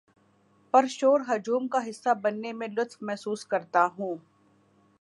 پر شور ہجوم کا حصہ بننے میں لطف محسوس کرتا ہوں